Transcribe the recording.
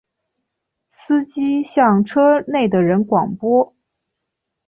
司机向车内的人广播